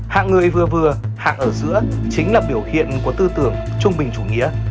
hạng người vừa vừa hạng ở giữa chính là biểu hiện của tư tưởng trung bình chủ nghĩa